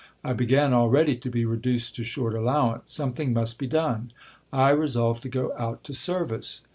I began already to be reduced to short allowance ; something must be done. I resolved to go out to service.